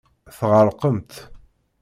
Tɣelqemt.